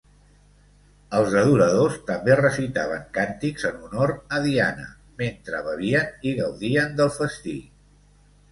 Els adoradors també recitaven càntics en honor a Diana, mentre bevien i gaudien del festí.